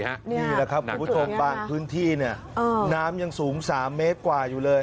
นี่แหละครับคุณผู้ชมบางพื้นที่เนี่ยน้ำยังสูง๓เมตรกว่าอยู่เลย